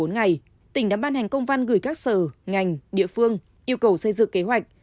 ngày một mươi năm tháng một mươi tỉnh đã ban hành công văn gửi các sở ngành địa phương yêu cầu xây dựng kế hoạch